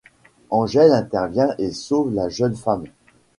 Angel intervient et sauve la jeune femme.